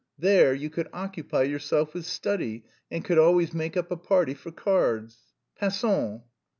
There you could occupy yourself with study, and could always make up a party for cards." _"Passons."